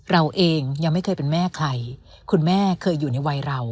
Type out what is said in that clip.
เราเองยังไม่เคยเป็นแม่ใครคุณแม่เคยอยู่ในวัยเรา